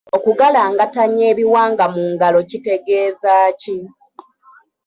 Okugalangatanya ebiwanga mu ngalo" kitegeeza ki?